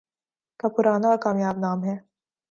کا پرانا اور کامیاب نام ہے